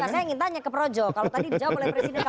saya ingin tanya ke projo kalau tadi dijawab oleh presiden